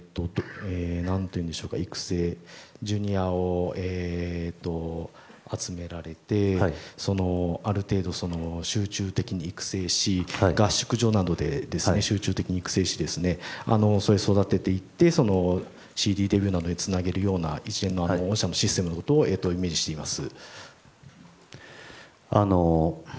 育成、Ｊｒ．を集められてある程度、集中的に育成し合宿所などで集中的に育成し育てていってＣＤデビューなどにつなげるような一連の御社のシステムのことをイメージしております。